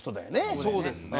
そうですね。